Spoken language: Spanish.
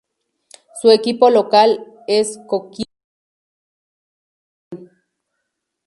Su equipo local es Coquimbo Unido de la Primera División.